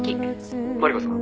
「マリコさん？